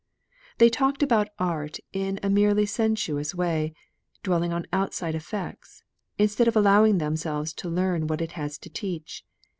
They talked about art in a merely sensuous way, dwelling on outside effects, instead of allowing themselves to learn what it has to teach.